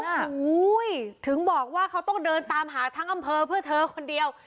โอ้โหถึงบอกว่าเขาต้องเดินตามหาทั้งอำเภอเพื่อเธอคนเดียว